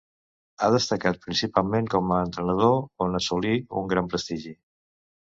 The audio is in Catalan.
Ha destacat principalment com a entrenador on assolí un gran prestigi.